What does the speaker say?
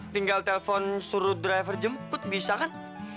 tinggal telepon suruh driver jemput bisa kan